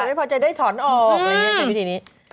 ไม่พอใจได้ถอนออกอะไรอย่างนี้